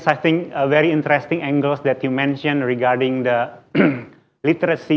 saya pikir angka yang menarik yang anda sebutkan mengenai literasi